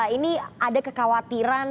ini ada kekhawatiran